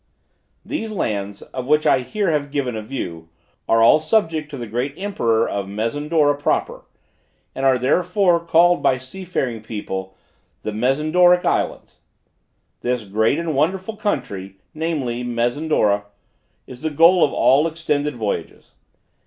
These lands, of which I here have given a view, are all subject to the great emperor of Mezendora proper, and are therefore called by seafaring people the Mezendoric islands. This great and wonderful country, namely, Mezendora, is the goal of all extended voyages.